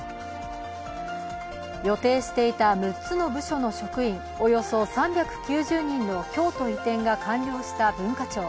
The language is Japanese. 予定していた６つの部署の職員およそ３９０人の京都移転が完了した文化庁。